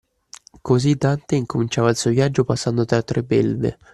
Così Dante incominciava il suo viaggio passando tra tre belve